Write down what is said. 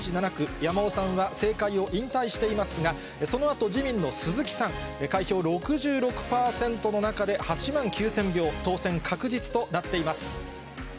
山尾さんは政界を引退していますが、そのあと、自民の鈴木さん、開票６６％の中で、８万９０００票、当選確実となっています。